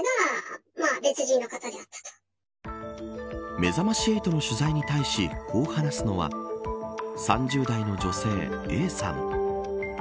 めざまし８の取材に対しこう話すのは３０代の女性、Ａさん。